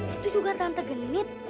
itu juga tante genit